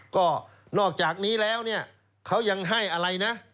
ก็นอกจากนี้แล้วเนี่ยเขายังให้อะไรนะ